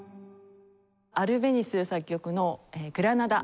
アルベニス作曲の『グラナダ』